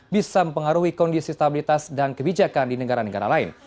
bisa mempengaruhi kondisi stabilitas dan kebijakan di negara negara lain